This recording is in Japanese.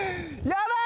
やばい！